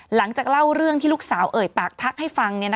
หลังจากเล่าเรื่องที่ลูกสาวเอ่ยปากทักให้ฟัง